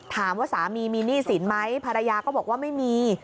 สามีมีหนี้สินไหมภรรยาก็บอกว่าไม่มี